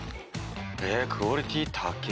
クオリティー高え。